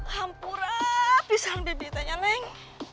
hampurah pisang bibi tanya neng